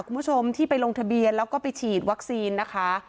คุณผู้ชมที่ไปลงทะเบียนแล้วก็ไปฉีดวัคซีนนะคะ